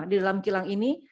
di dalam kilang ini